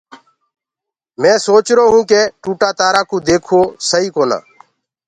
مينٚ سُرو هونٚ ڪي ٽوٽآ تآرآ ڪوُ ديگھوآ سئي ڪونآ۔